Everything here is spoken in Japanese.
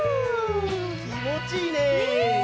きもちいいね！ね！